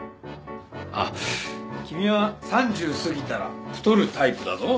あっ君は３０過ぎたら太るタイプだぞ